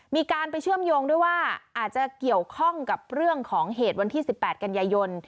มีการไปเชื่อมโยงด้วยว่าอาจจะเกี่ยวข้องกับเรื่องของเหตุวันที่๑๘กันยายน